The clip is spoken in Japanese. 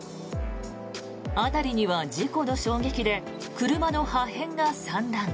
辺りには事故の衝撃で車の破片が散乱。